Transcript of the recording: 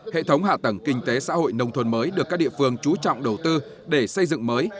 hệ thống hạ tầng kinh tế xã hội nông thôn mới được các địa phương trú trọng đầu tư để xây dựng mới